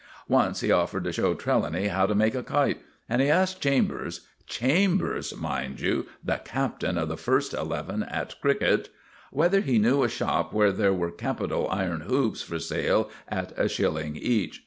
Once he offered to show Trelawny how to make a kite, and he asked Chambers Chambers, mind you, the Captain of the First Eleven at Cricket whether he knew a shop where there were capital iron hoops for sale at a shilling each.